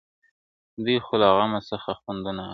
دوى خو، له غمه څه خوندونه اخلي~